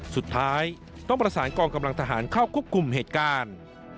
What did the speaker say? สุดท้ายต้องประสานกองกำลังทหารเข้าควบคุมเหตุการณ์